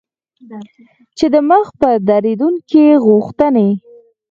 چې د مخ په ډیریدونکي غوښتنې